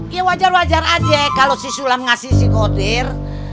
ya wajar wajar aja kalau si sulam ngasih si kodir